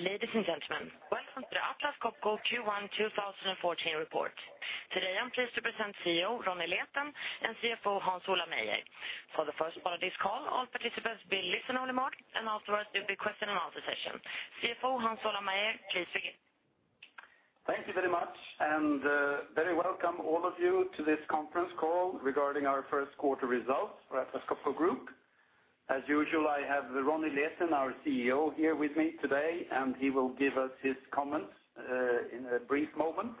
Ladies and gentlemen, welcome to Atlas Copco Q1 2014 report. Today, I am pleased to present CEO Ronnie Leten and CFO Hans Ola Meyer. For the first part of this call, all participants will listen-only mode, and afterwards there will be a question and answer session. CFO Hans Ola Meyer, please begin. Thank you very much. A very welcome all of you to this conference call regarding our first quarter results for Atlas Copco Group. As usual, I have Ronnie Leten, our CEO, here with me today, and he will give us his comments in a brief moment.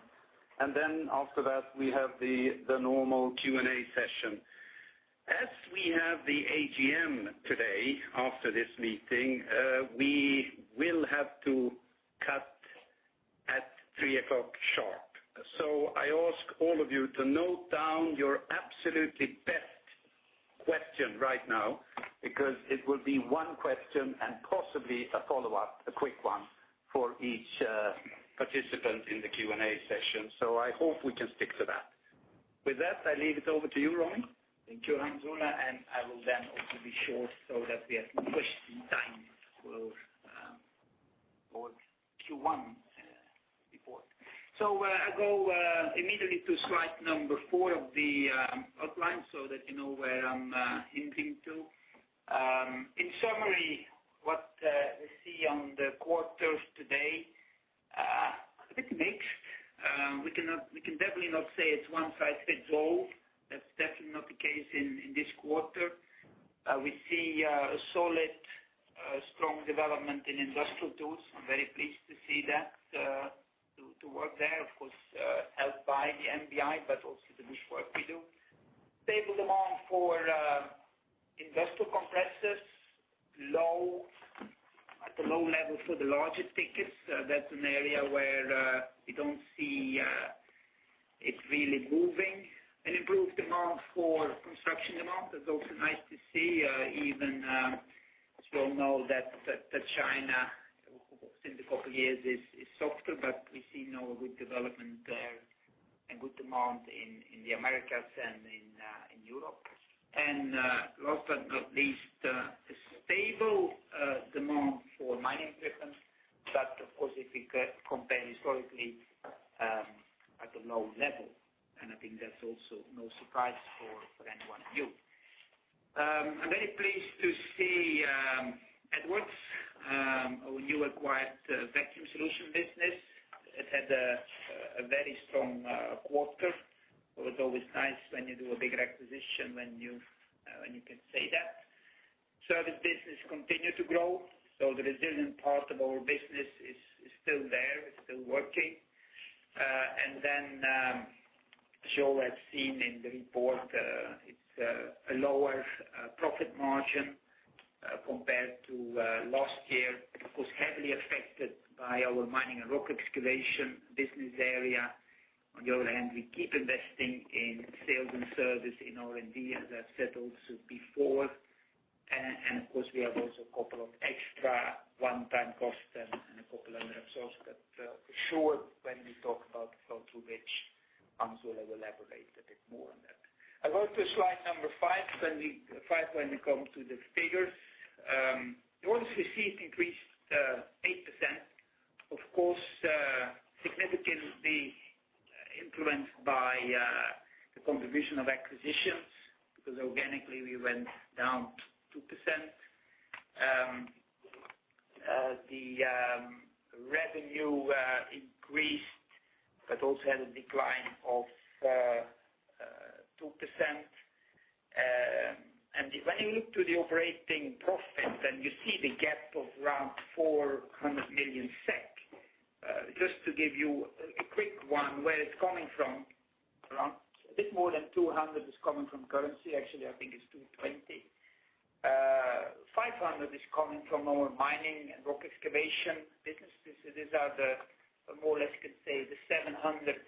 After that, we have the normal Q&A session. As we have the AGM today, after this meeting, we will have to cut at 3:00 sharp. I ask all of you to note down your absolutely best question right now, because it will be one question and possibly a follow-up, a quick one, for each participant in the Q&A session. I hope we can stick to that. With that, I leave it over to you, Ronnie. Thank you, Hans Ola. I will then also be short so that we have some question time for Q1 report. I go immediately to slide number four of the outline so that you know where I am hinting to. In summary, what we see on the quarters today, a bit mixed. We can definitely not say it is one-size-fits-all. That is definitely not the case in this quarter. We see a solid, strong development in industrial tools. I am very pleased to see that, to work there, of course, helped by the MVI, but also the push work we do. Stable demand for industrial compressors at a low level for the larger tickets. That is an area where we do not see it really moving. An improved demand for Construction Technique is also nice to see, even as you all know that China in the couple years is softer. We see now a good development there and good demand in the Americas and in Europe. Last but not least, a stable demand for mining equipment. Of course, if we compare historically at a low level, I think that is also no surprise for anyone of you. I am very pleased to see Edwards, our new acquired vacuum solution business. It had a very strong quarter. It was always nice when you do a bigger acquisition, when you can say that. Service business continued to grow. The resilient part of our business is still there. It is still working. As you all have seen in the report, it is a lower profit margin compared to last year, of course, heavily affected by our Mining and Rock Excavation Technique business area. We keep investing in sales and service in R&D, as I have said also before. Of course, we have also a couple of extra one-time costs and a couple of under absorbs that show when we talk about the total, which Hans Ola will elaborate a bit more on that. I go to slide number five when we come to the figures. Orders received increased 8%, of course, significantly influenced by the contribution of acquisitions, because organically, we went down 2%. The revenue increased, but also had a decline of 2%. When you look to the operating profit, then you see the gap of around 400 million SEK. Just to give you a quick one, where it is coming from, around a bit more than 200 is coming from currency. Actually, I think it is 220. 500 is coming from our Mining and Rock Excavation Technique business. These are the more or less, you could say, the 700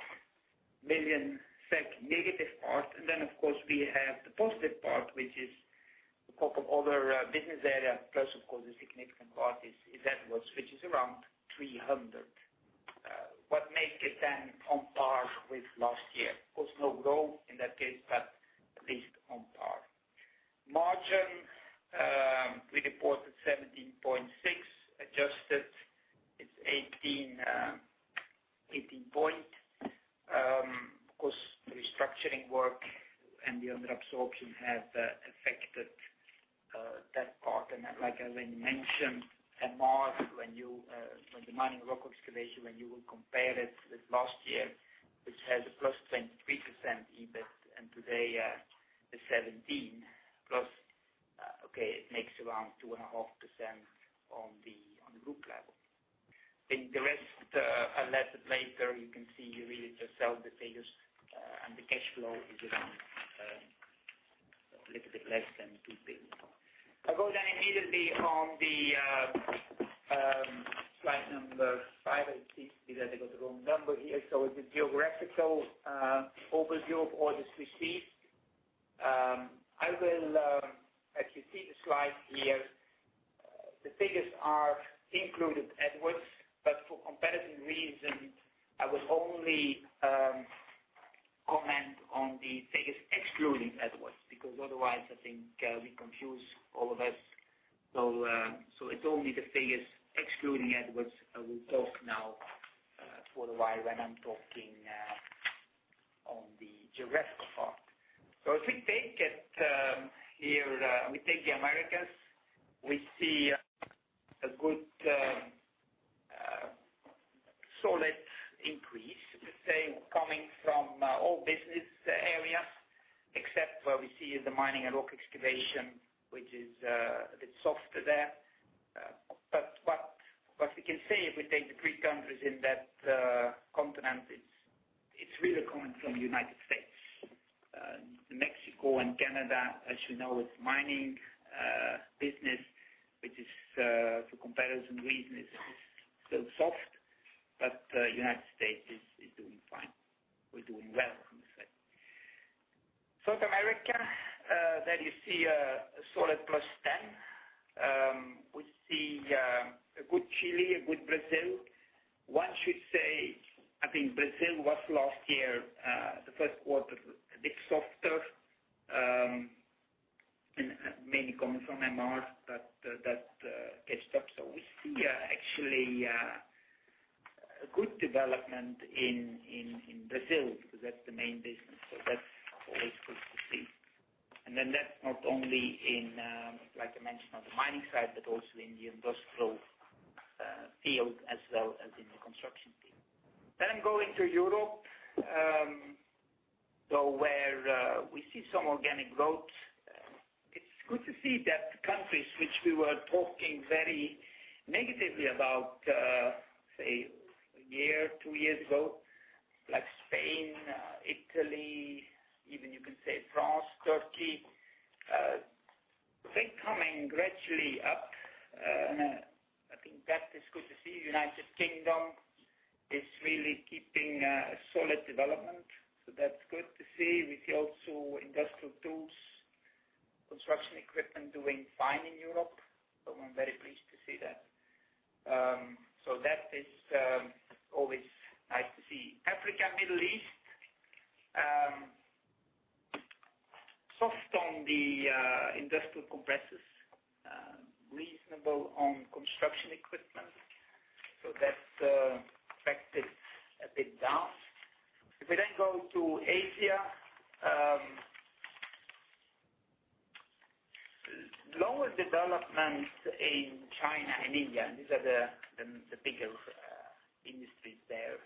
million SEK negative part. We have the positive part, which is a couple of other business area, plus the significant part is Edwards, which is around 300. What makes it then on par with last year? No growth in that case, but at least on par. Margin, we reported 17.6%. Adjusted, it is 18 point. The restructuring work and the under absorption has affected that part. Like I mentioned, MR, when the Mining and Rock Excavation Technique, when you will compare it with last year, which has a +23% EBIT, and today 17+, okay, it makes around 2.5% on the group level. I think the rest I will let later you can see. You read it yourself, the figures, and the cash flow is around a little bit less than 2 billion. I go then immediately on the slide number five. I see that I got the wrong number here. The geographical overview of orders received. As you see the slide here, the figures are included Edwards, but for competitive reasons, I will only comment on the figures excluding Edwards, because otherwise I think we confuse all of us. It is only the figures excluding Edwards we talk now for a while when I am talking on the geographical scope part. If we take the Americas, we see a good solid increase, let us say, coming from all business areas, except where we see in the Mining and Rock Excavation Technique, which it is a bit softer there. What we can say, if we take the three countries in that continent, it is really coming from United States. Mexico and Canada, as you know, it is mining business, which for comparison reason, is still soft. United States is doing fine. We are doing well, I should say. South America, there you see a solid +10. We see a good Chile, a good Brazil. One should say, I think Brazil was last year, the first quarter, a bit softer, and mainly coming from MR, but that catched up. We see actually a good development in Brazil, because that is the main business, that is always good to see. That's not only in, like I mentioned, on the mining side, but also in the industrial field as well as in the construction field. I'm going to Europe, where we see some organic growth. It's good to see that countries which we were talking very negatively about, say, a year, two years ago, like Spain, Italy, even you can say France, Turkey, they are coming gradually up. I think that is good to see. United Kingdom is really keeping a solid development. That's good to see. We see also industrial tools, construction equipment doing fine in Europe. I'm very pleased to see that. That is always nice to see. Africa, Middle East. Soft on the industrial compressors, reasonable on construction equipment. That affected a bit down. If we go to Asia. Lower development in China and India. These are the bigger industries there.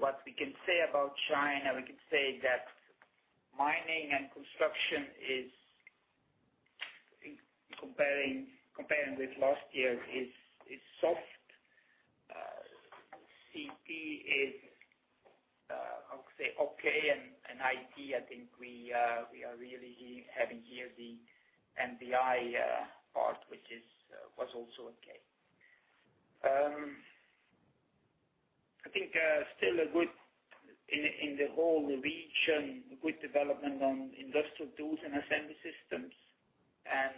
What we can say about China, we could say that mining and construction, comparing with last year, is soft. CT is, I would say, okay. IT, I think we are really having here the MVI part, which was also okay. I think still in the whole region, good development on industrial tools and assembly systems.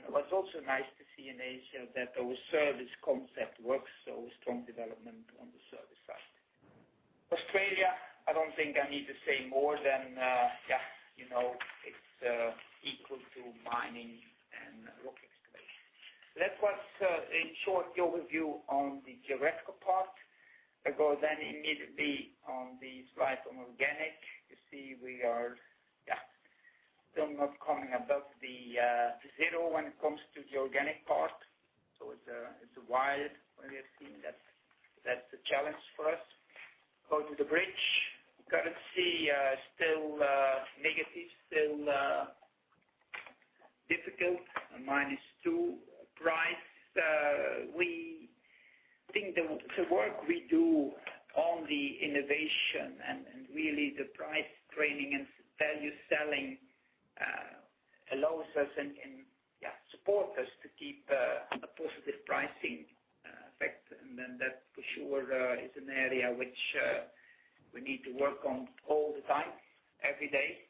What's also nice to see in Asia, that our service concept works. Strong development on the service side. Australia, I don't think I need to say more than, it's equal to mining and rock excavation. That was in short the overview on the geographical part. I go immediately on the slide on organic. You see we are still not coming above the zero when it comes to the organic part. It's wild when you have seen that. That's a challenge for us. Go to the bridge. Currency still negative, still difficult, a -2. Price. We think the work we do on the innovation and really the price training and value selling allows us and support us to keep a positive pricing effect. That, for sure, is an area which we need to work on all the time, every day.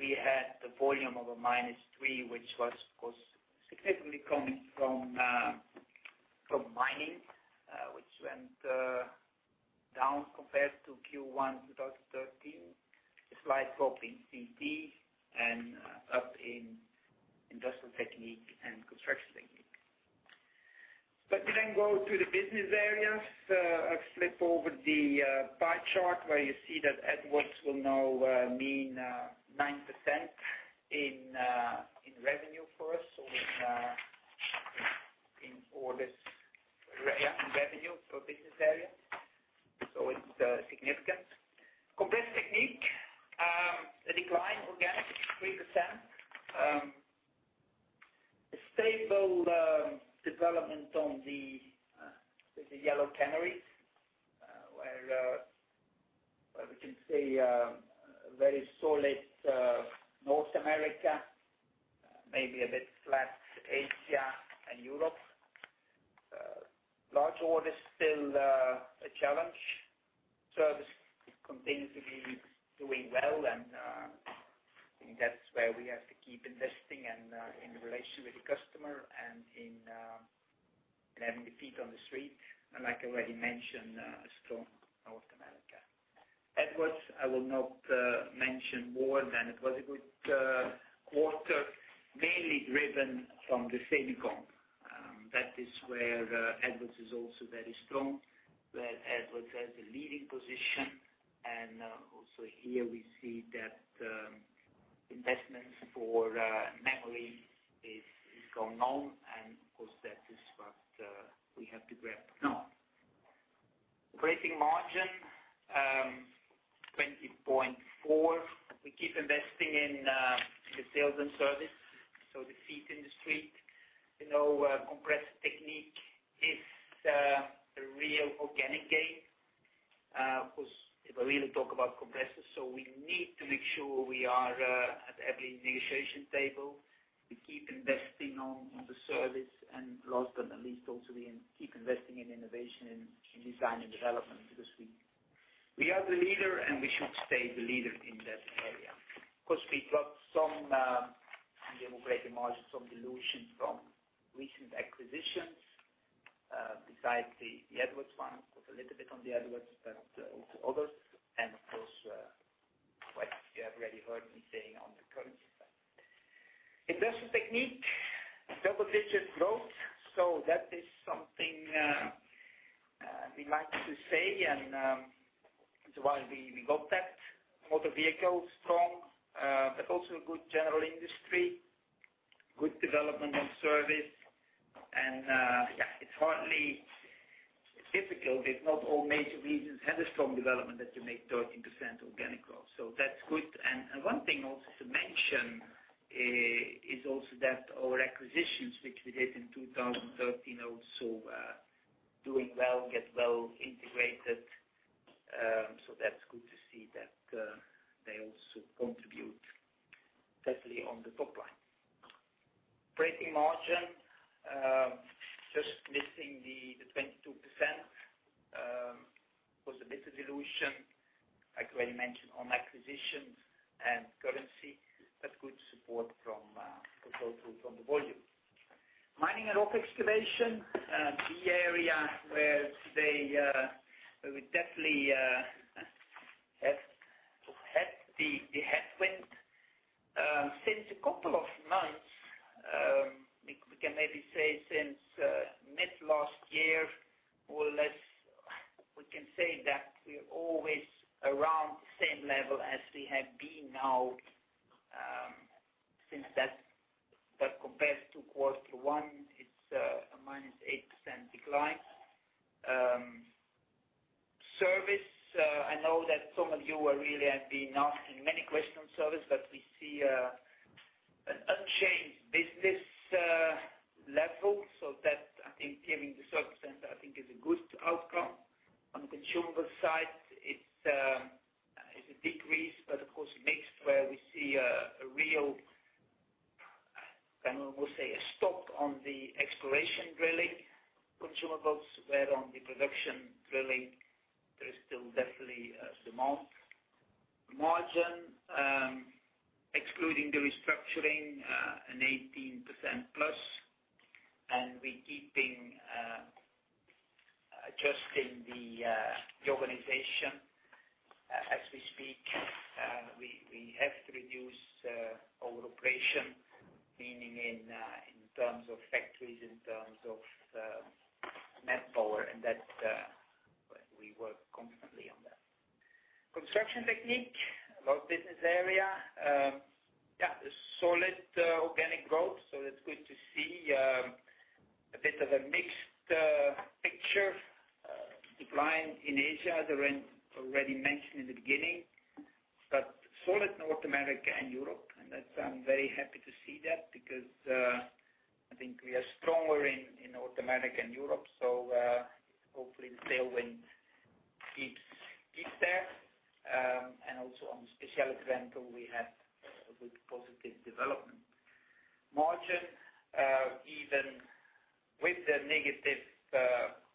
We had the volume of a -3, which was, of course, significantly coming from mining, which went down compared to Q1 2013. A slight drop in CT and up in Industrial Technique and Construction Technique. We go to the business areas. I flip over the pie chart where you see that Edwards will now mean 9% in revenue for us. In orders. Yeah, in revenue for business area. It's significant. Compressor Technique, a decline, organic, 3%. A stable development on the Yellow Plant, where we can say very solid North America, maybe a bit flat Asia and Europe. Large orders still a challenge. Service continues to be doing well. I think that's where we have to keep investing and in the relationship with the customer and in having the feet on the street, and like I already mentioned, strong North America. Edwards, I will not mention more than it was a good quarter, mainly driven from the Semiconductor. That is where Edwards is also very strong, where Edwards has a leading position. Also here we see that investments for memory is going on, and of course, that is what we have to grab now. Operating margin, 20.4%. We keep investing in the sales and service, the feet in the street. Compressor Technique is the real organic gain. Of course, if I really talk about compressors, we need to make sure we are at every negotiation table. We keep investing in the service and last but not least, also we keep investing in innovation, in design and development because we are the leader and we should stay the leader in that area. Of course, we got some, in the operating margin, some dilution from recent acquisitions, besides the Edwards one. Of course, a little bit on the Edwards, but also others. Of course, what you have already heard me saying on the currency side. Industrial Technique, double-digit growth, that is something we like to say, and that's why we got that. Motor vehicle strong, but also a good general industry, good development on service. Yeah, it's hardly difficult if not all major regions had a strong development that you make 13% organic growth, that's good. One thing also to mention is also that our acquisitions, which we did in 2013, also doing well, get well integrated. That's good to see that they also contribute definitely on the top line. Operating margin, just missing the 22%, was a bit of dilution, like already mentioned on acquisitions and currency, but good support from the volume. Mining and Rock Excavation, the area where today we would definitely have the headwind. Since a couple of months, we can maybe say since mid last year, more or less, we can say that we're always around the same level as we have been now since that compared to quarter one, it's a -8% decline. Service, I know that some of you really have been asking many questions on service, but we see an unchanged business level, that I think giving the service center, I think is a good outcome. On the consumables, it's a decrease, but of course, a mix where we see a real, we'll say, a stop on the exploration drilling. Consumables, where on the production drilling, there is still definitely a demand. Margin, excluding the restructuring, an 18%+, and we keeping adjusting the organization. As we speak, we have to reduce our operation, meaning in terms of factories, in terms of manpower, and that we work constantly on that. Construction Technique, our business area. Yeah, a solid organic growth, that's good to see. A bit of a mixed picture. Decline in Asia, already mentioned in the beginning, but solid North America and Europe, and I'm very happy to see that because I think we are stronger in North America and Europe. Hopefully, the tailwind keeps there. Also on specialty rental, we had a good positive development. Margin, even with the negative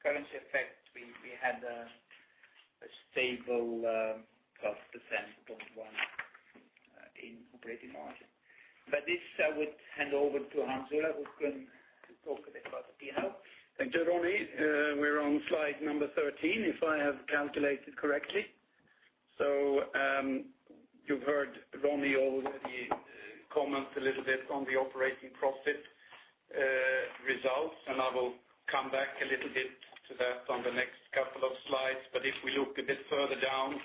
currency effect, we had a stable plus percent, +1 in operating margin. This, I would hand over to Hans here, who can talk a bit about the detail. Thank you, Ronnie. We're on slide 13, if I have calculated correctly. You've heard Ronnie already comment a little bit on the operating profit results, and I will come back a little bit to that on the next couple of slides. If we look a bit further down,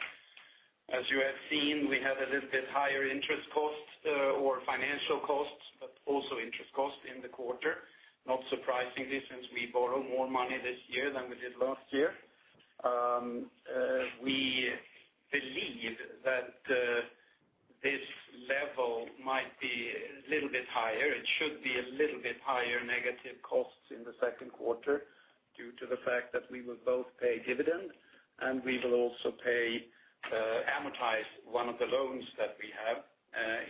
as you have seen, we have a little bit higher interest cost or financial costs, but also interest cost in the quarter. Not surprisingly, since we borrow more money this year than we did last year. We believe that this level might be a little bit higher. It should be a little bit higher negative costs in the second quarter due to the fact that we will both pay dividend, and we will also amortize one of the loans that we have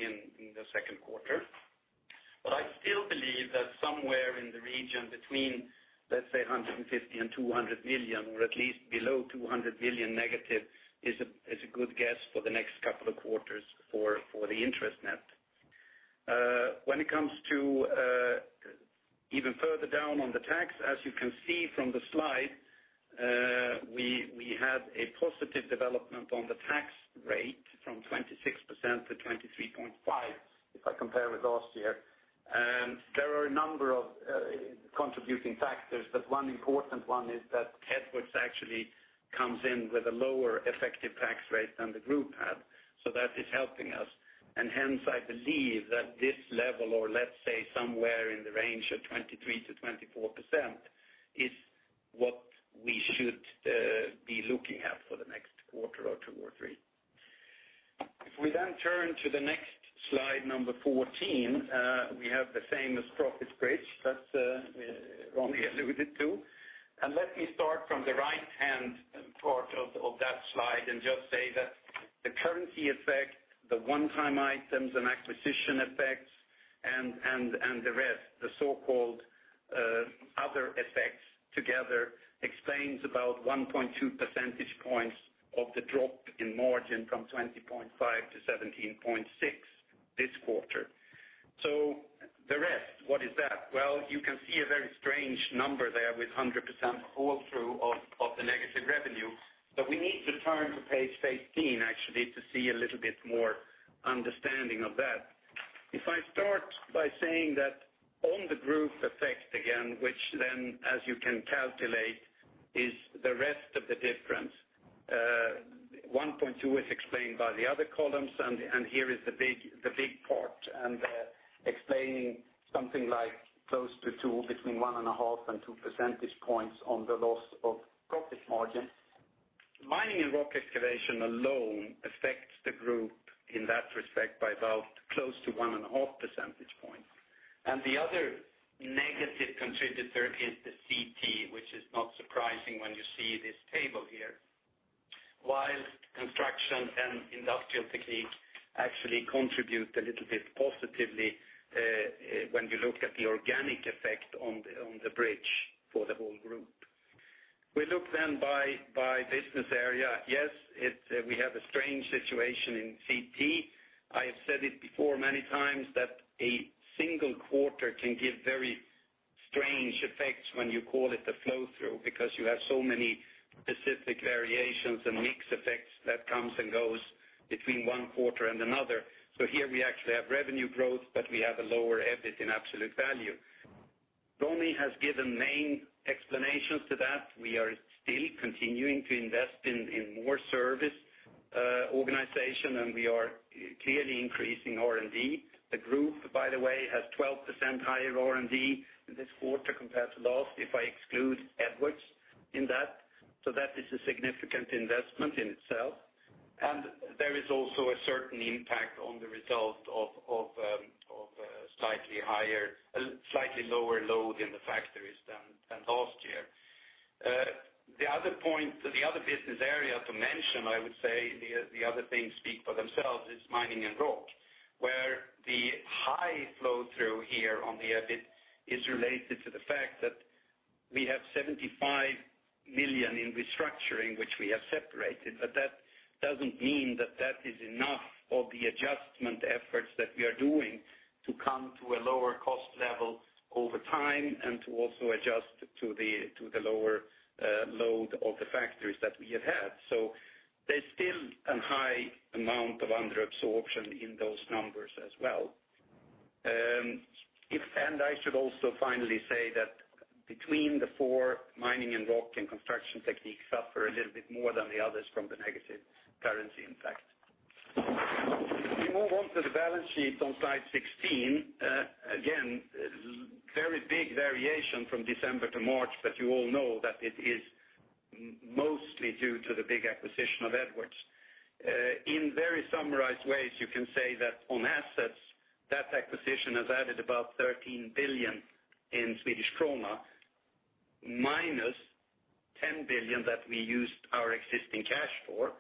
in the second quarter. I still believe that somewhere in the region between, let's say 150 million and 200 million, or at least below 200 million negative, is a good guess for the next couple of quarters for the interest net. When it comes to even further down on the tax, as you can see from the slide, we had a positive development on the tax rate from 26% to 23.5% if I compare with last year. There are a number of contributing factors, but one important one is that Edwards actually comes in with a lower effective tax rate than the group had. That is helping us. Hence, I believe that this level, or let's say somewhere in the range of 23%-24%, is what we should be looking at for the next quarter or two or three. Turning to the next slide 14, we have the famous profit bridge that Ronnie alluded to. Let me start from the right-hand part of that slide and just say that the currency effect, the one-time items and acquisition effects, and the rest, the so-called other effects together explains about 1.2 percentage points of the drop in margin from 20.5% to 17.6% this quarter. The rest, what is that? Well, you can see a very strange number there with 100% fall-through of the negative revenue. We need to turn to page 18, actually, to see a little bit more understanding of that. If I start by saying that on the group effect again, which then, as you can calculate, is the rest of the difference. 1.2 percentage points is explained by the other columns, and here is the big part, explaining something close to 2, between 1.5 and 2 percentage points on the loss of profit margin. Mining and Rock Excavation Technique alone affects the group in that respect by about close to 1.5 percentage points. The other negative contributor is the CT, which is not surprising when you see this table here. While Construction Technique and Industrial Technique actually contribute a little bit positively when we look at the organic effect on the bridge for the whole group. We look by business area. Yes, we have a strange situation in CT. I have said it before many times that a single quarter can give very strange effects when you call it the flow-through because you have so many specific variations and mix effects that comes and goes between one quarter and another. Here we actually have revenue growth, but we have a lower EBIT in absolute value. Ronnie has given main explanations to that. We are still continuing to invest in more service organization, and we are clearly increasing R&D. The group, by the way, has 12% higher R&D in this quarter compared to last, if I exclude Edwards in that. That is a significant investment in itself. There is also a certain impact on the result of a slightly lower load in the factories than last year. The other business area to mention, I would say the other things speak for themselves, is Mining and Rock, where the high flow-through here on the EBIT is related to the fact that we have 75 million in restructuring, which we have separated. That doesn't mean that that is enough of the adjustment efforts that we are doing to come to a lower cost level over time and to also adjust to the lower load of the factories that we have had. There's still a high amount of under absorption in those numbers as well. I should also finally say that between the four, Mining and Rock and Construction Technique suffer a little bit more than the others from the negative currency impact. We move on to the balance sheet on slide 16, again, very big variation from December to March, but you all know that it is mostly due to the big acquisition of Edwards. In very summarized ways, you can say that on assets, that acquisition has added about 13 billion in SEK, minus 10 billion Swedish krona that we used our existing cash for.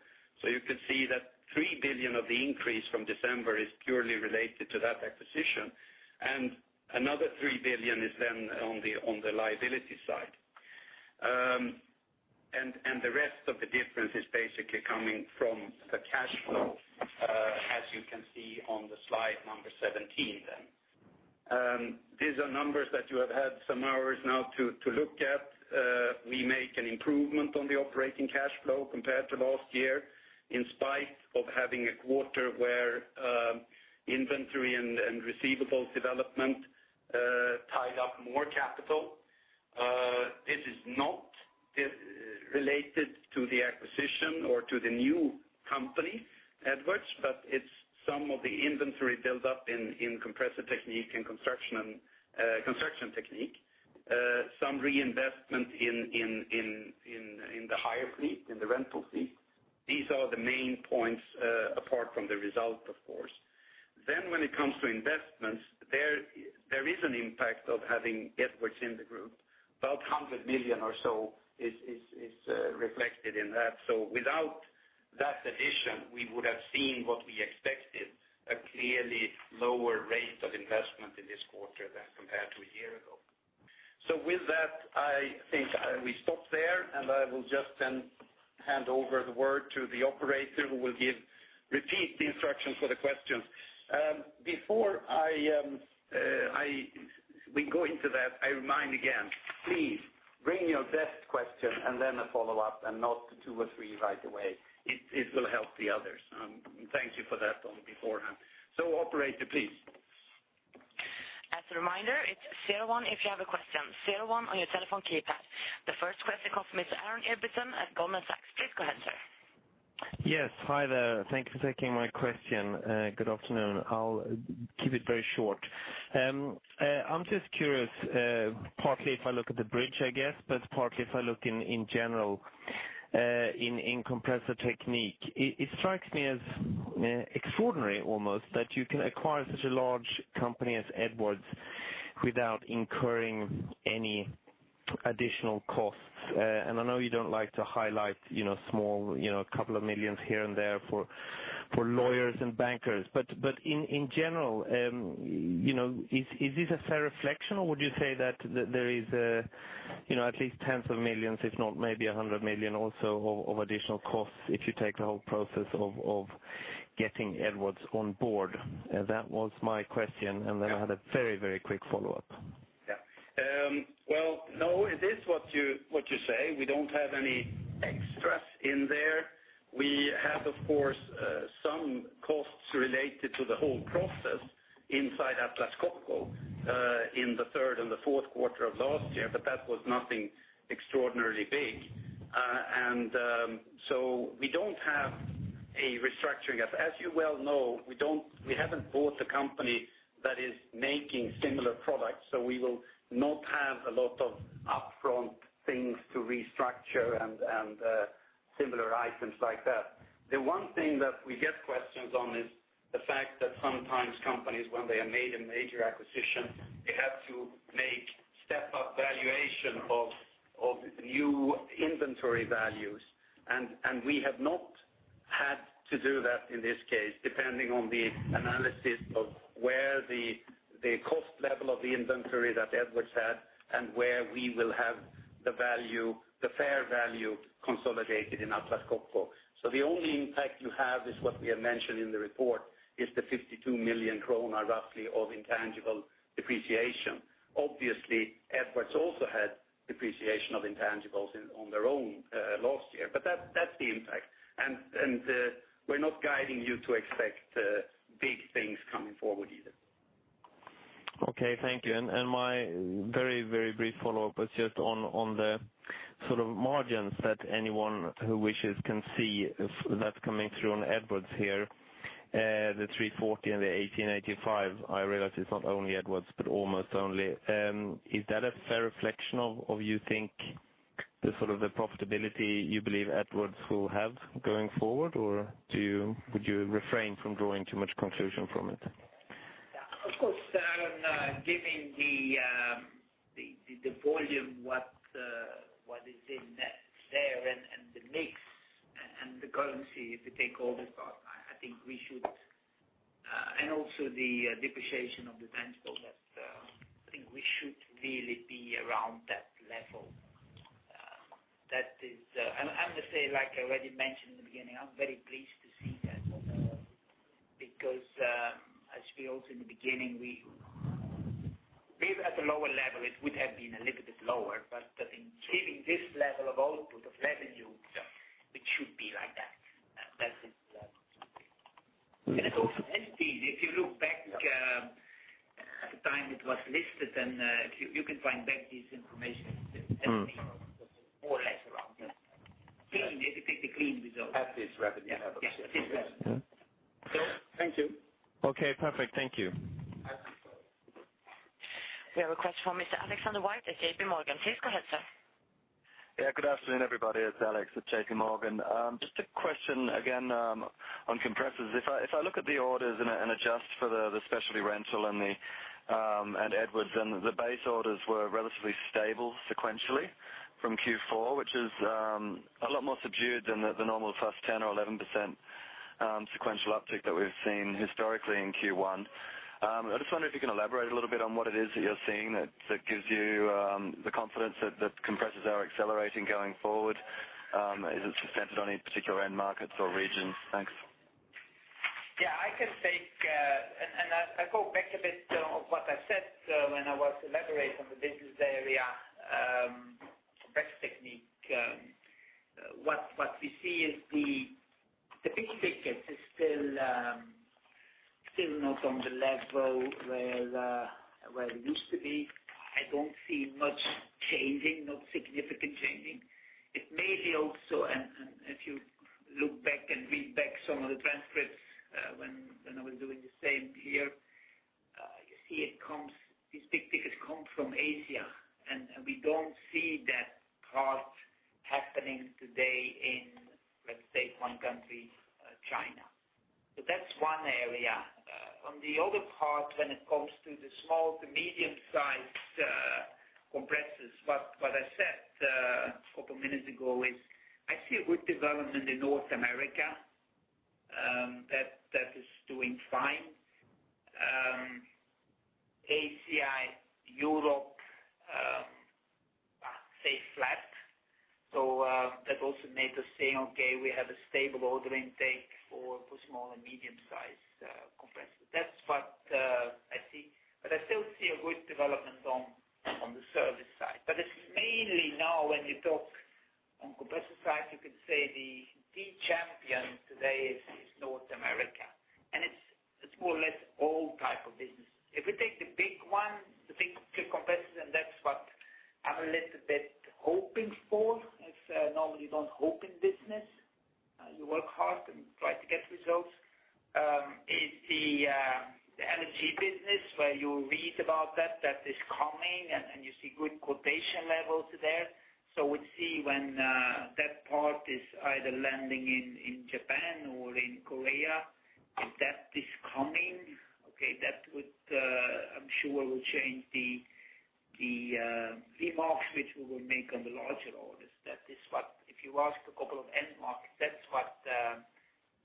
You could see that 3 billion of the increase from December is purely related to that acquisition, and another 3 billion is then on the liability side. The rest of the difference is basically coming from the cash flow, as you can see on the slide number 17, then. These are numbers that you have had some hours now to look at. We make an improvement on the operating cash flow compared to last year, in spite of having a quarter where inventory and receivables development tied up more capital. This is not related to the acquisition or to the new company, Edwards, but it's some of the inventory buildup in Compressor Technique and Construction Technique. Some reinvestment in the hire fleet, in the rental fleet. These are the main points apart from the result, of course. When it comes to investments, there is an impact of having Edwards in the group. About 100 million or so is reflected in that. Without that addition, we would have seen what we expected, a clearly lower rate of investment in this quarter than compared to a year ago. With that, I think we stop there, I will just then hand over the word to the operator who will repeat the instructions for the questions. Before we go into that, I remind you again, please bring your best question and then a follow-up, and not two or three right away. It will help the others. Thank you for that beforehand. Operator, please. As a reminder, it's zero one if you have a question. Zero one on your telephone keypad. The first question comes from Aaron Ibbotson at Goldman Sachs. Please go ahead, sir. Yes. Hi there. Thank you for taking my question. Good afternoon. I'll keep it very short. I'm just curious, partly if I look at the bridge, I guess, but partly if I look in general, in Compressor Technique. It strikes me as extraordinary, almost, that you can acquire such a large company as Edwards without incurring any additional costs. I know you don't like to highlight small, couple of millions here and there for lawyers and bankers. In general, is this a fair reflection, or would you say that there is at least tens of millions, if not maybe 100 million also of additional costs if you take the whole process of getting Edwards on board? That was my question, I had a very quick follow-up. Yeah. It is what you say. We don't have any extras in there. We have, of course, some costs related to the whole process inside Atlas Copco in the third and the fourth quarter of last year, but that was nothing extraordinarily big. We don't have a restructuring. As you well know, we haven't bought a company that is making similar products, we will not have a lot of upfront things to restructure and similar items like that. The one thing that we get questions on is the fact that sometimes companies, when they have made a major acquisition, they have to make step-up valuation of new inventory values. We have not had to do that in this case, depending on the analysis of where the cost level of the inventory that Edwards had and where we will have the fair value consolidated in Atlas Copco. The only impact you have is what we have mentioned in the report, is the 52 million kronor, roughly, of intangible depreciation. Obviously, Edwards also had depreciation of intangibles on their own last year. That's the impact. We are not guiding you to expect big things coming forward either. Okay, thank you. My very brief follow-up was just on the sort of margins that anyone who wishes can see that is coming through on Edwards here, the 340 and the 1,885. I realize it is not only Edwards, but almost only. Is that a fair reflection of, you think, the sort of the profitability you believe Edwards will have going forward, or would you refrain from drawing too much conclusion from it? Yeah, of course, given the volume, what is in there, and the mix and the currency, if you take all this out, I think we should really be around that level. I am going to say, like I already mentioned in the beginning, I am very pleased to see that, because as we also in the beginning, we were at a lower level, it would have been a little bit lower, but I think keeping this level of output, of revenue, it should be like that. That is. Also, if you look back at the time it was listed, you can find back this information. More or less around there. If you take the clean result. At this revenue level. Yes. This level. Thank you. Okay, perfect. Thank you. We have a request from Mr. Alex White at JPMorgan. Please go ahead, sir. Yeah, good afternoon, everybody. It's Alex at JPMorgan. Just a question again on compressors. If I look at the orders and adjust for the specialty rental and Edwards, then the base orders were relatively stable sequentially from Q4, which is a lot more subdued than the normal plus 10 or 11% sequential uptick that we've seen historically in Q1. I just wonder if you can elaborate a little bit on what it is that you're seeing that gives you the confidence that compressors are accelerating going forward. Is it centered on any particular end markets or regions? Thanks. Yeah. I can take, and I go back a bit of what I said when I was elaborating on the business area, Compressor Technique. What we see is the big ticket is still not on the level where it used to be. I don't see much changing, no significant changing. It may be also, and if you look back and read back some of the transcripts when I was doing the same here, you see these big tickets come from Asia, and we don't see that part happening today in, let's say, one country, China. That's one area. On the other part, when it comes to the small to medium-sized compressors, what I said a couple minutes ago is I see a good development in North America. That is doing fine. Asia, Europe, stay flat. That also made us say, okay, we have a stable order intake for small and medium-sized compressors. That's what I see. I still see a good development on the service side. It's mainly now when you talk on compressor side, you can say the key champion today is North America, and it's more or less all type of business. If we take the big one, the big three compressors, and that's what I'm a little bit hoping for. As normally you don't hope in business, you work hard and try to get results, is the LNG business where you read about that is coming, and you see good quotation levels there. We'll see when that part is either landing in Japan or in Korea. If that is coming, okay, that would, I'm sure will change the remarks which we will make on the larger orders. If you ask a couple of end markets, that's what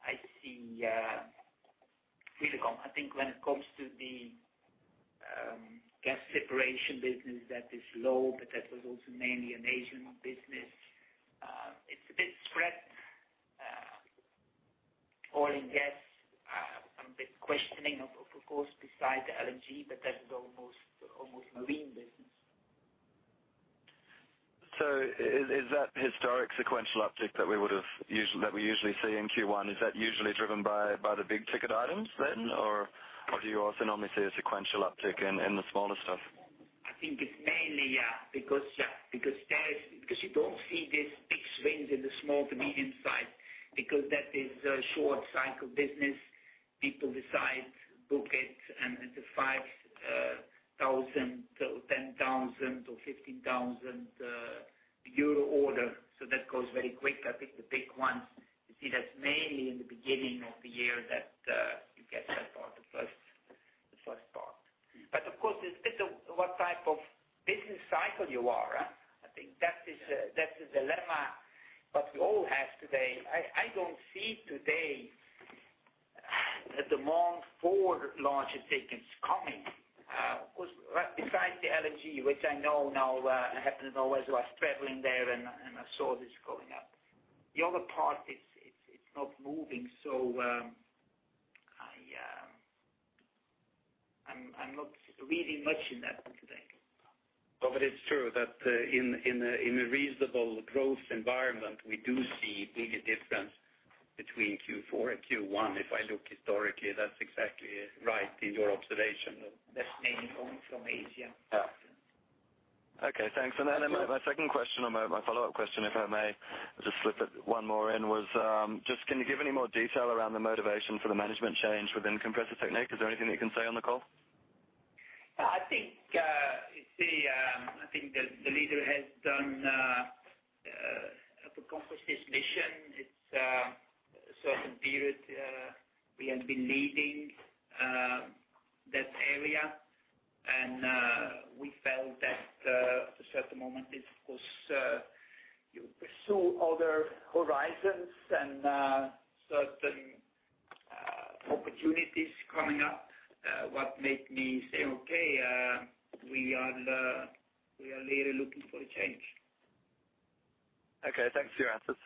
I see really come. I think when it comes to the gas separation business, that is low, but that was also mainly an Asian business. It's a bit spread. Oil and gas, I'm a bit questioning, of course, beside the LNG, but that is almost marine business. Is that historic sequential uptick that we usually see in Q1, is that usually driven by the big-ticket items then? Do you also normally see a sequential uptick in the smaller stuff? I think it's mainly, yeah, because you don't see these big swings in the small to medium side, because that is a short cycle business. People decide, book it, and it's a 5,000 to 10,000 to 15,000 euro order. That goes very quick. I think the big ones, you see that mainly in the beginning of the year that you get that part, the first part. Of course, it's a bit of what type of business cycle you are. I think that's the dilemma, what we all have today. I don't see today the demand for larger tickets coming. Of course, besides the LNG, which I know now, I happen to know as I was traveling there and I saw this coming up. The other part, it's not moving. I'm not reading much in that one today. It's true that in a reasonable growth environment, we do see bigger difference between Q4 and Q1. If I look historically, that's exactly right in your observation. That's mainly coming from Asia. Yeah. Okay, thanks. My second question or my follow-up question, if I may, I'll just slip it one more in, was just can you give any more detail around the motivation for the management change within Compressor Technique? Is there anything that you can say on the call? I think the leader has accomplished his mission. It's a certain period, he has been leading that area, and we felt that at a certain moment it was, you pursue other horizons and certain opportunities coming up, what made me say, okay, we are really looking for a change. Okay, thanks for your answers.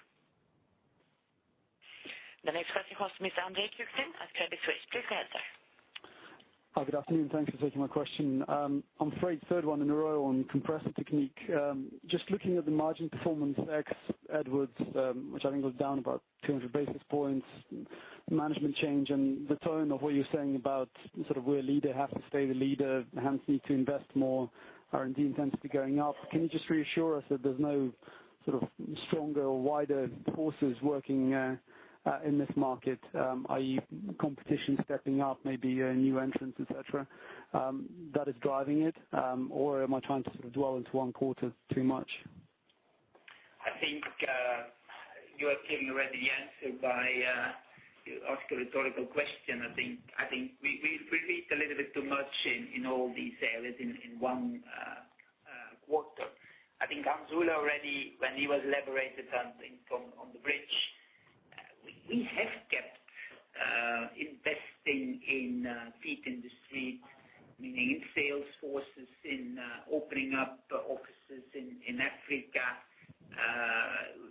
The next question comes from Andre Kukhnin at Credit Suisse. Please go ahead, sir. Good afternoon. Thanks for taking my question. I'm afraid third one in a row on Compressor Technique. Looking at the margin performance x Edwards, which I think was down about 200 basis points, management change, and the tone of what you're saying about sort of where a leader have to stay the leader, hence need to invest more. R&D intensity going up. Can you just reassure us that there's no sort of stronger or wider forces working in this market, i.e., competition stepping up, maybe new entrants, et cetera, that is driving it? Am I trying to sort of dwell into one quarter too much? I think, you have given already the answer. You ask a rhetorical question. I think we read a little bit too much in all these areas in one quarter. I think Hans Ola already, when he was elaborating something on the bridge. We have kept investing in field industry, meaning in sales forces, in opening up offices in Africa,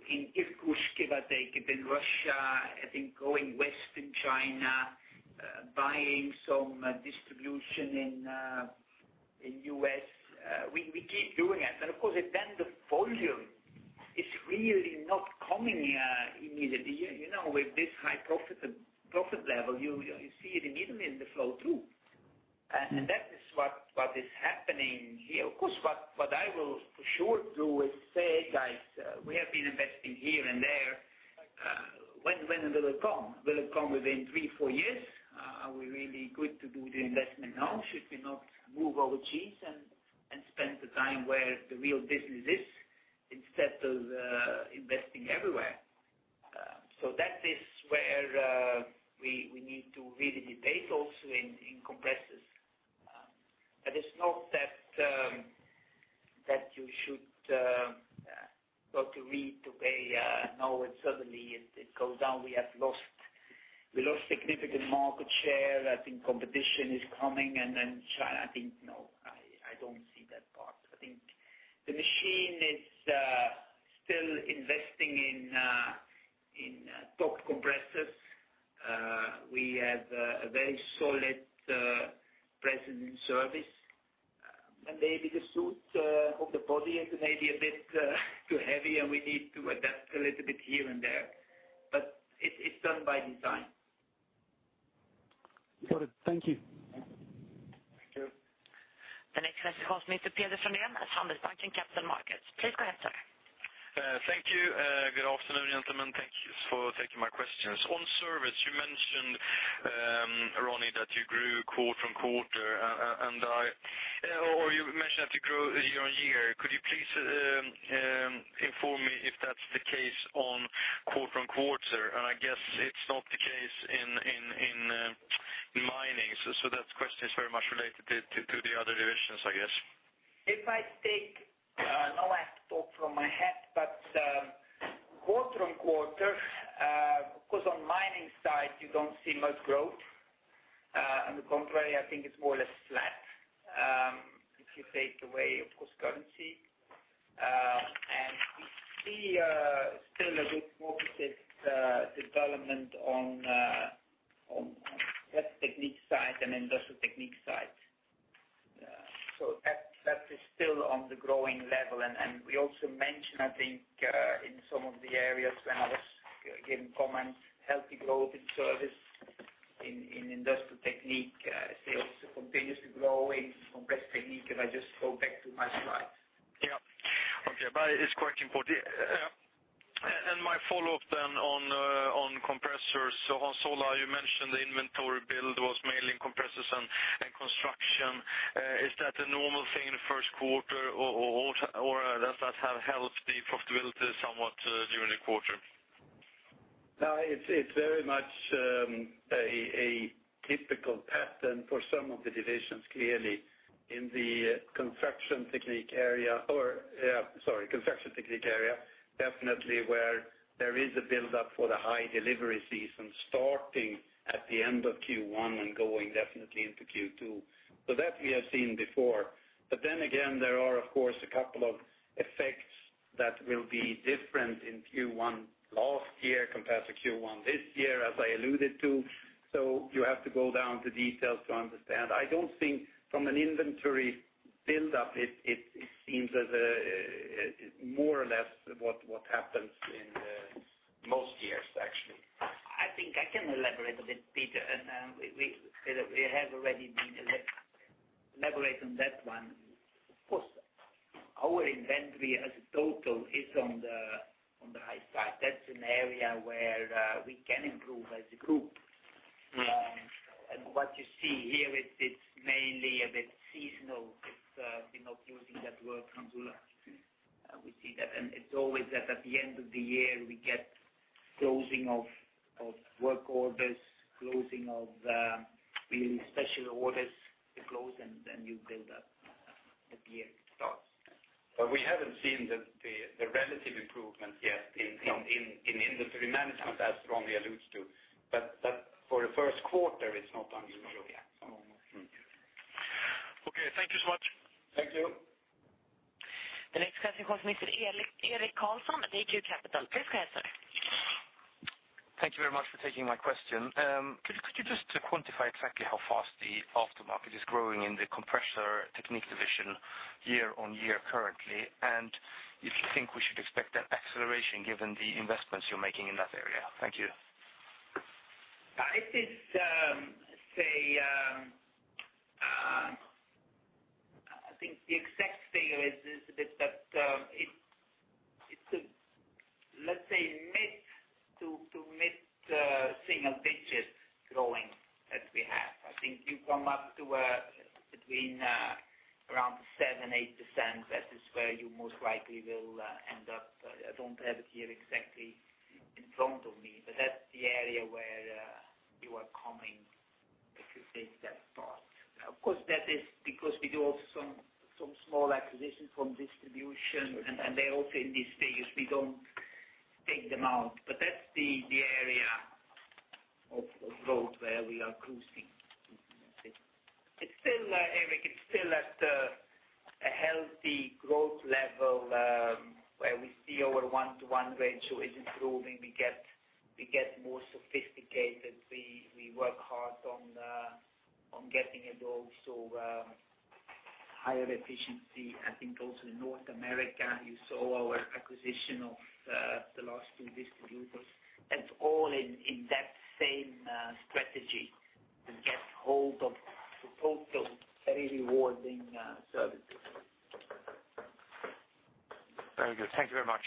in Irkutsk, if I take, in Russia, I think going west in China, buying some distribution in U.S. We keep doing that. Of course, then the volume is really not coming immediately. With this high profit level, you see it immediately in the flow-through. That is what is happening here. Of course, what I will for sure do is say, guys, we have been investing here and there. When will it come? Will it come within three, four years? Are we really good to do the investment now? Should we not move our cheese and spend the time where the real business is, instead of investing everywhere? That is where we need to really debate also in compressors. It's not that you should go to read today, now suddenly it goes down. We lost significant market share. Competition is coming, and then China. I don't see that part. The machine is still investing in top compressors. We have a very solid presence in service. Maybe the suit of the body is maybe a bit too heavy, and we need to adapt a little bit here and there, but it's done by design. Got it. Thank you. Thank you. The next question comes from Mr. Peder Frölén, Handelsbanken Capital Markets. Please go ahead, sir. Thank you. Good afternoon, gentlemen. Thank you for taking my questions. On service, you mentioned, Ronnie, that you grew quarter-on-quarter or you mentioned that you grew year-on-year. Could you please inform me if that's the case on quarter-on-quarter? I guess it's not the case in mining. That question is very much related to the other divisions, I guess. If I take, now I have to talk from my head, quarter-on-quarter, of course, on mining side, you don't see much growth. On the contrary, I think it's more or less flat, if you take away, of course, currency. We see still a good positive development on gas technique side and Industrial Technique side. That is still on the growing level. We also mentioned, I think, in some of the areas when I was giving comments, healthy growth in service, in Industrial Technique, sales continuously growing from gas technique. If I just go back to my slide. Yeah. Okay. It's quite important. My follow-up then on compressors. Hans Ola, you mentioned the inventory build was mainly in compressors and Construction Technique. Is that a normal thing in the first quarter or does that help the profitability somewhat during the quarter? No, it's very much a typical pattern for some of the divisions, clearly. In the Construction Technique area, definitely where there is a buildup for the high delivery season starting at the end of Q1 and going definitely into Q2. That we have seen before. Again, there are, of course, a couple of effects that will be different in Q1 last year compared to Q1 this year, as I alluded to. You have to go down to details to understand. I don't think from an inventory buildup, it seems as more or less what happens in most years, actually. I think I can elaborate a bit, Peder, we have already been elaborate on that one. Of course, our inventory as a total is on the high side. That's an area where we can improve as a group. Yeah. What you see here, it's mainly a bit seasonal. It's, using that word from Ola. We see that, it's always that at the end of the year, we get closing of work orders, closing of really special orders. They close, then you build up at the year it starts. We haven't seen the relative improvement yet. No In industry management as Ronnie alludes to. For the first quarter, it's not unusual. Yeah. Okay. Thank you so much. Thank you. The next question comes from Mr. Erik Karlsson, AKO Capital. Please go ahead, sir. Thank you very much for taking my question. Could you just quantify exactly how fast the aftermarket is growing in the Compressor Technique division year-on-year currently? If you think we should expect an acceleration given the investments you're making in that area. Thank you. I think the exact figure is a bit, that it's, let's say, mid-single digits growing that we have. I think you come up to around 7%-8%. That is where you most likely will end up. I don't have it here exactly in front of me, that's the area where you are coming, if you take that part. Of course, that is because we do also some small acquisitions from distribution, they're also in this phase. We don't take them out. That's the area of growth where we are cruising. It's still, Erik, it's still at a healthy growth level, where we see our one-to-one ratio is improving. We get more sophisticated. We work hard on getting it also higher efficiency. I think also in North America, you saw our acquisition of the last two distributors. That's all in that same strategy to get hold of the total very rewarding services. Very good. Thank you very much.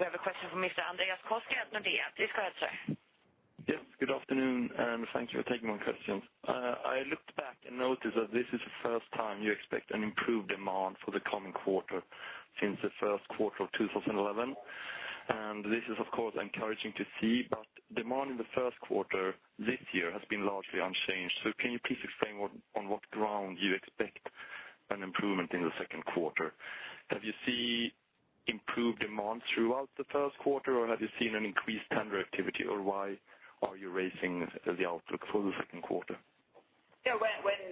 We have a question from Mr. Andreas Koski, Nordea. Please go ahead, sir. Yes. Good afternoon, and thank you for taking my questions. I looked back and noticed that this is the first time you expect an improved demand for the coming quarter since the first quarter of 2011. This is, of course, encouraging to see, but demand in the first quarter this year has been largely unchanged. Can you please explain on what ground you expect an improvement in the second quarter? Have you seen improved demand throughout the first quarter, or have you seen an increased tender activity, or why are you raising the outlook for the second quarter?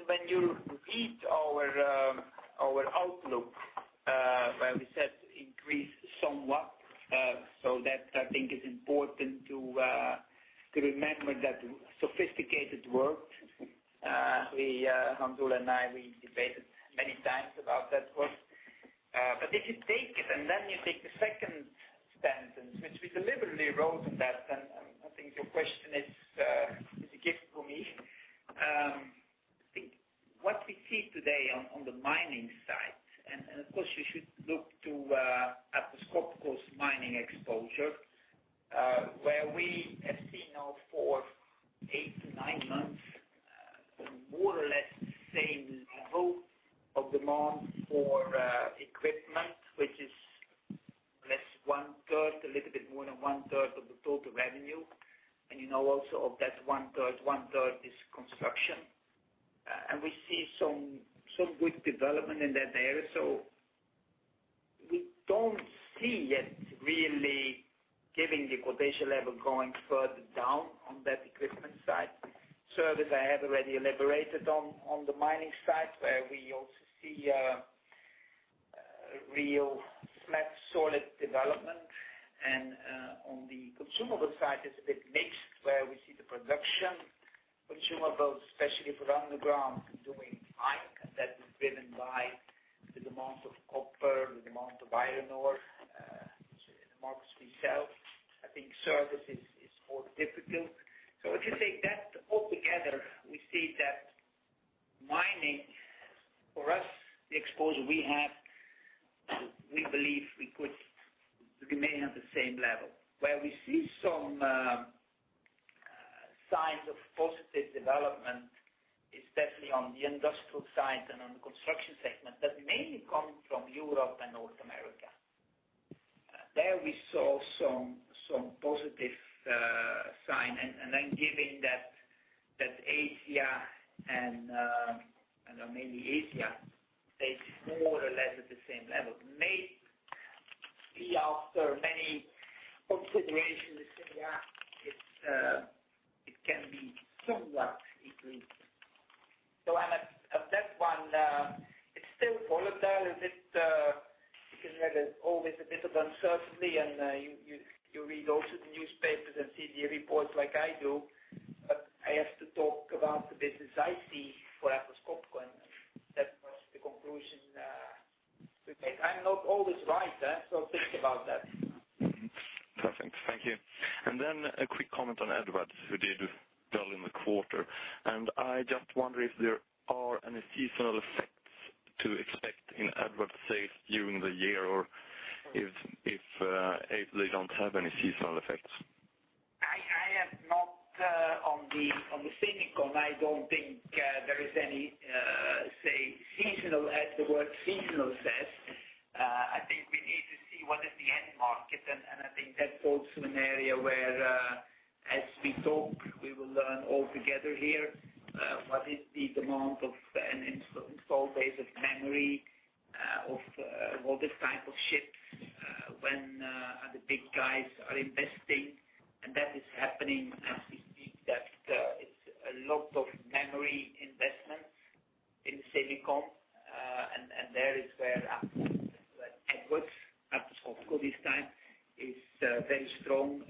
When you read our outlook, where we said increase somewhat. That, I think, is important to remember that sophisticated work. Hans Ola and I, we debated many times about that work. If you take it, and you take the second sentence, which we deliberately wrote in that, I think your question is a gift for me. I think what we see today on the mining side, and of course, you should look to Atlas Copco's mining exposure, where we have seen now for 8 to 9 months, more or less same level of demand for equipment, which is less one-third, a little bit more than one-third of the total revenue. You know also of that one-third, one-third is construction. We see some good development in that area. We don't see yet really giving the quotation level going further down on that equipment side. Service I have already elaborated on the mining side, where we also see a real flat, solid development. On the consumable side, it's a bit mixed where we see the production consumables, especially for underground, doing fine. That is driven by the demand of copper, the demand of iron ore, the markets we sell. I think service is more difficult. If you take that all together, we see that mining for us, the exposure we have, we believe we could remain at the same level. Where we see some signs of positive development, especially on the industrial side and on the construction segment, that mainly come from Europe and North America. There we saw some positive sign. Given that Asia and, I don't know, maybe Asia, stays more or less at the same level, maybe after many considerations in Asia, it can be somewhat increased. On that one, it's still volatile. It is always a bit of uncertainty, you read also the newspapers and see the reports like I do, I have to talk about the business I see for Atlas Copco, that was the conclusion to take. I'm not always right, think about that. Perfect. Thank you. A quick comment on Edwards, who did well in the quarter. I just wonder if there are any seasonal effects to expect in Edwards, say, during the year or if they don't have any seasonal effects. I am not on the silicon. I don't think there is any, say seasonal, as the word seasonal says. I think we need to see what is the end market. I think that falls to an area where, as we talk, we will learn all together here, what is the demand of an install base of memory, of all this type of chips, when the big guys are investing, and that is happening as we speak, that it's a lot of memory investment in silicon. There is where Edwards, Atlas Copco this time, is very strong.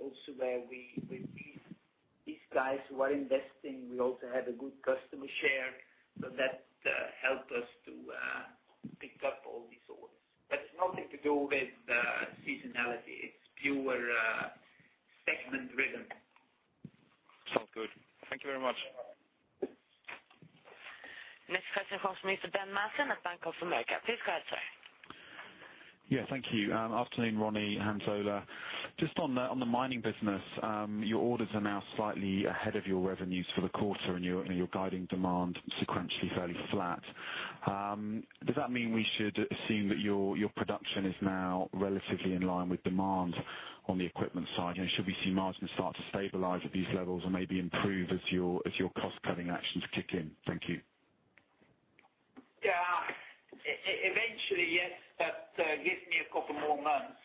Also where we see these guys who are investing, we also have a good customer share. That helped us to pick up all these orders. It's nothing to do with seasonality. It's pure segment rhythm. Sounds good. Thank you very much. Next question comes from Mr. Ben Maslen at Bank of America. Please go ahead, sir. Yeah. Thank you. Afternoon, Ronnie, Hans Ola. Just on the mining business. Your orders are now slightly ahead of your revenues for the quarter, and you are guiding demand sequentially fairly flat. Does that mean we should assume that your production is now relatively in line with demand on the equipment side? Should we see margins start to stabilize at these levels or maybe improve as your cost-cutting actions kick in? Thank you. Yeah. Eventually, yes, but give me a couple more months.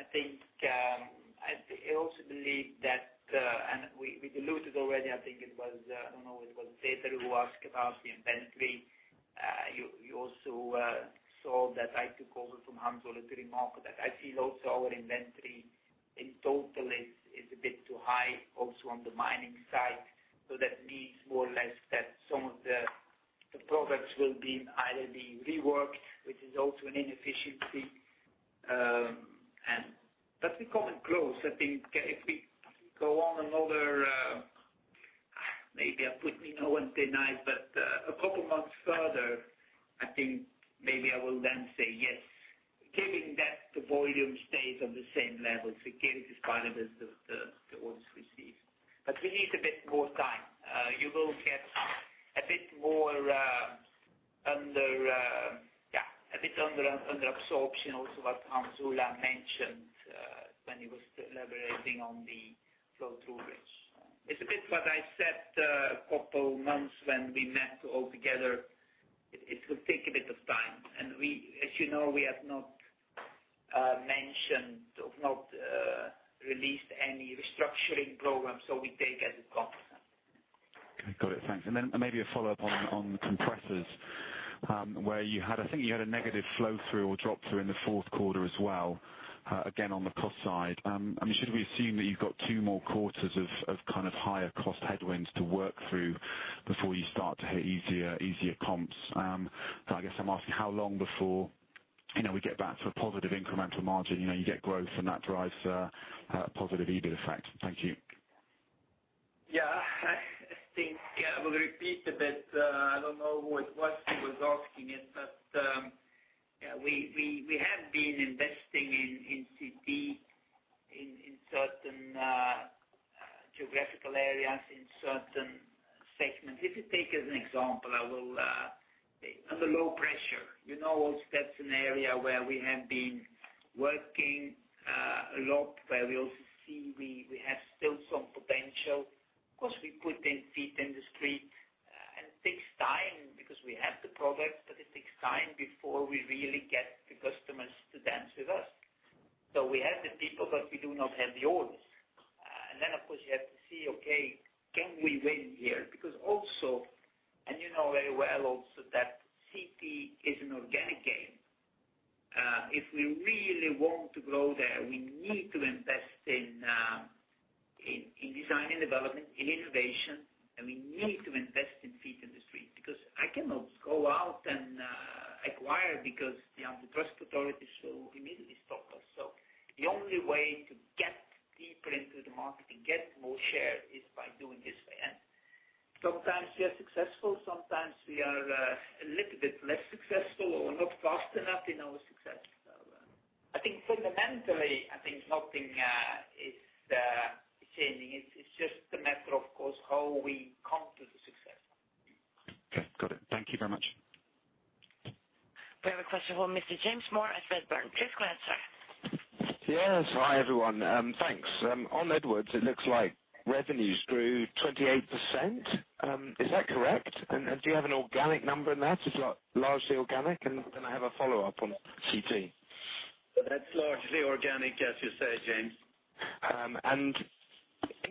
I also believe that, and we alluded already, I think it was, I do not know, it was Peter who asked about the inventory. You also saw that I took over from Hans Ola to remark that I see also our inventory in total is a bit too high also on the mining side. That means more or less that some of the products will be either being reworked, which is also an inefficiency, but we call it growth. I think if we go on another Maybe I put me no on tonight, but a couple months further, I think maybe I will then say yes, given that the volume stays on the same level to give this part of the orders received. We need a bit more time. You will get a bit more under absorption also what Hans Ola mentioned, when he was elaborating on the flow through bridge. It is a bit what I said, a couple months when we met all together. It will take a bit of time. As you know, we have not mentioned or not released any restructuring program, we take as it comes. Okay. Got it. Thanks. Then maybe a follow-up on compressors, where I think you had a negative flow-through or drop-through in the fourth quarter as well, again, on the cost side. Should we assume that you have got two more quarters of higher cost headwinds to work through before you start to hit easier comps? I guess I am asking how long before we get back to a positive incremental margin, you get growth and that drives a positive EBIT effect. Thank you. Yeah. I think I will repeat a bit, I don't know what question was asking it, but we have been investing in CT in certain geographical areas, in certain segments. If you take as an example, under low pressure. You know that's an area where we have been working, a lot where we also see we have still some potential. Of course, we put in feet in the street, and it takes time because we have the product, but it takes time before we really get the customers to dance with us. We have the people, but we do not have the orders. Of course, you have to see, okay, can we win here? Because also, and you know very well also that CT is an organic game. If we really want to grow there, we need to invest in design and development, in innovation, and we need to invest in feet in the street, because I cannot go out and acquire because the trust authorities will immediately stop us. The only way to get deeper into the market and get more share is by doing this way. Sometimes we are successful, sometimes we are a little bit less successful or not fast enough in our success. I think fundamentally, I think nothing is changing. It's just a matter, of course, how we come to the success. Okay. Got it. Thank you very much. We have a question from Mr. James Moore at Redburn. Please go ahead, sir. Yes. Hi, everyone. Thanks. On Edwards, it looks like revenues grew 28%. Is that correct? Do you have an organic number in that? It's largely organic. I have a follow-up on CT. That's largely organic, as you say, James. In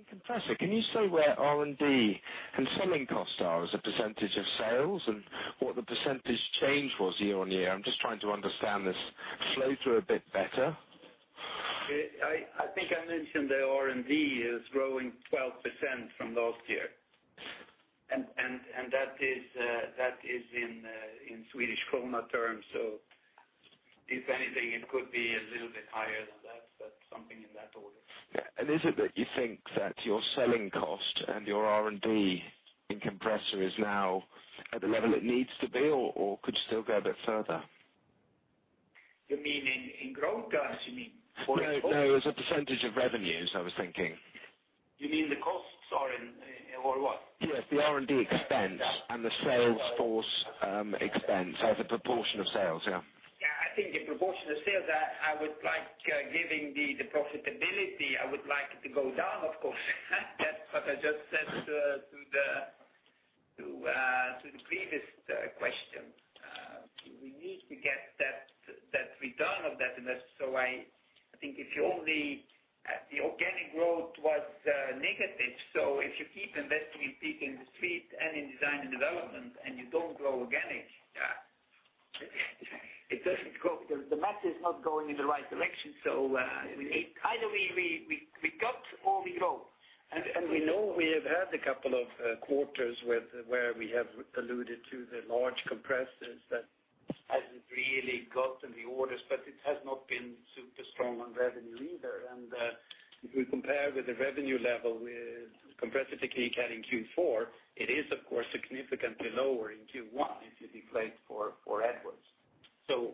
Compressor, can you say where R&D and selling costs are as a percentage of sales and what the percentage change was year-on-year? I'm just trying to understand this flow through a bit better. I think I mentioned the R&D is growing 12% from last year. That is in Swedish krona terms, so if anything, it could be a little bit higher than that, but something in that order. Yeah. Is it that you think that your selling cost and your R&D in Compressor is now at the level it needs to be or could still go a bit further? You mean in growth guides, you mean? No. As a percentage of revenues, I was thinking. You mean the costs or what? Yes. The R&D expense and the sales force expense as a proportion of sales. Yeah. Yeah. I think the proportion of sales, giving the profitability, I would like it to go down, of course. That's what I just said to the previous question. We need to get that return of that invest. I think if the organic growth was negative, if you keep investing in feet in the street and in design and development and you don't grow organic, the math is not going in the right direction. Either we cut or we grow. We know we have had a couple of quarters where we have alluded to the large compressors that hasn't really gotten the orders, but it has not been super strong on revenue either. If we compare with the revenue level with Compressor Technique had in Q4, it is of course significantly lower in Q1 if you deflate for Edwards.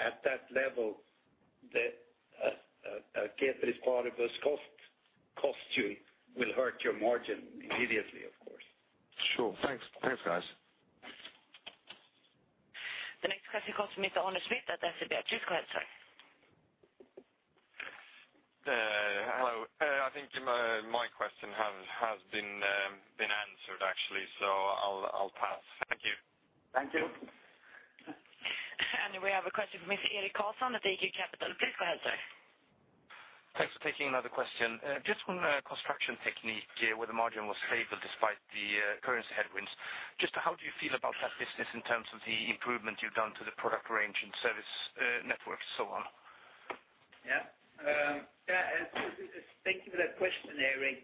At that level, a [1% cost] will hurt your margin immediately, of course. Sure. Thanks. Thanks, guys. The next question comes from Mr. [Arne Smith] at SEB. Please go ahead, sir. Hello. I think my question has been answered, actually. I'll pass. Thank you. Thank you. We have a question from Mr. Erik Karlsson at AKO Capital. Please go ahead, sir. Thanks for taking another question. Just on Construction Technique, where the margin was stable despite the currency headwinds. Just how do you feel about that business in terms of the improvement you've done to the product range and service networks so on? Yeah. Thank you for that question, Erik.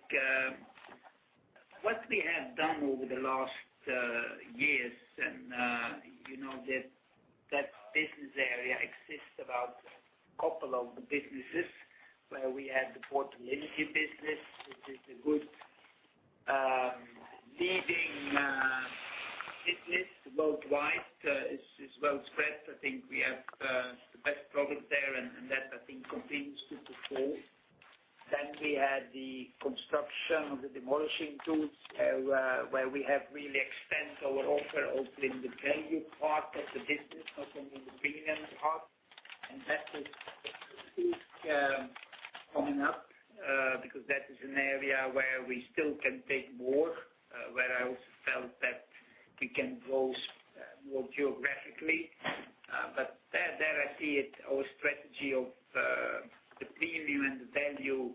That business area exists about a couple of the businesses where we had the Portable Energy business, which is a good leading business worldwide. It's well spread. I think we have the best product there, and that, I think, continues to perform. We had the construction of the demolishing tools, where we have really expanded our offer, opening the value part of the business, not only the premium part. That is coming up because that is an area where we still can take more, where I also felt that we can grow more geographically. There I see it, our strategy of the premium and the value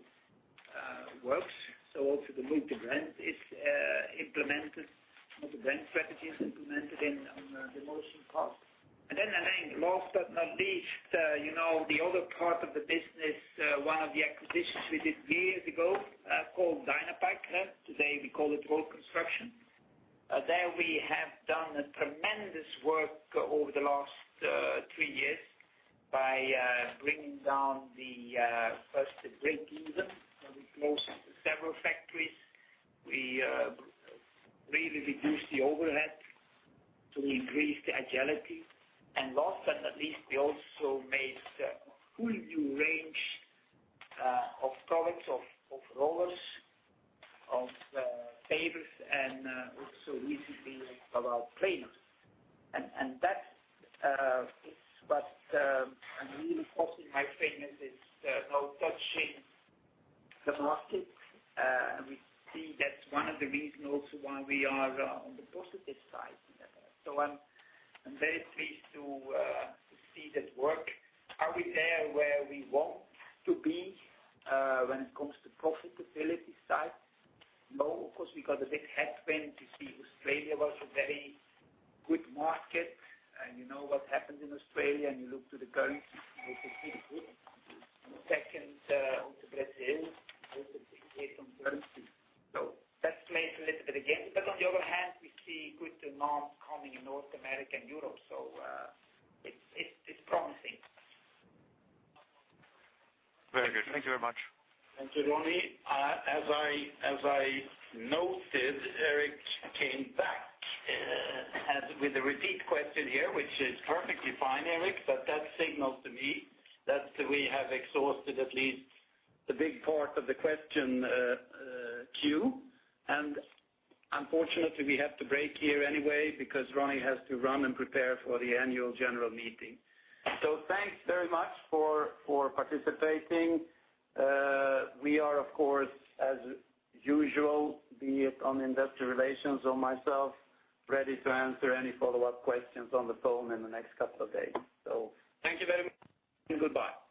works. The move to rent is implemented, or the rent strategy is implemented on the demolition part. I think last but not least, the other part of the business, one of the acquisitions we did years ago, called Dynapac. Today we call it road construction. There we have done tremendous work over the last three years by bringing down first the breakeven. We closed several factories. We really reduced the overhead to increase the agility. Last but not least, we also made a whole new range of products, of rollers, of pavers, and also recently about graders. That is what I'm really positive. My statement is about touching the market. We see that's one of the reasons also why we are on the positive side. I'm very pleased to see that work. Are we there where we want to be when it comes to profitability side? No, of course, we got a big headwind. You see Australia was a very good market, and you know what happened in Australia, and you look to the Gulf, which is difficult. Second, also Brazil, which is also difficult. That plays a little bit against. On the other hand, we see good norms coming in North America and Europe, so it's promising. Very good. Thank you very much. Thank you, Ronnie. As I noted, Erik came back with a repeat question here, which is perfectly fine, Erik, but that signals to me that we have exhausted at least the big part of the question queue. Unfortunately, we have to break here anyway because Ronnie has to run and prepare for the annual general meeting. Thanks very much for participating. We are, of course, as usual, be it on investor relations or myself, ready to answer any follow-up questions on the phone in the next couple of days. Thank you very much, and goodbye.